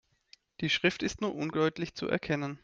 Die Schrift ist nur undeutlich zu erkennen.